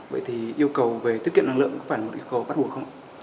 vậy thì yêu cầu về tiết kiệm năng lượng có phải là một yêu cầu bắt buộc không ạ